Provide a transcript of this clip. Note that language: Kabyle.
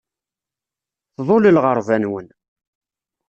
Tḍul lɣerba-nwen.